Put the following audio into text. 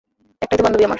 একটাই তো বান্ধবী আমার।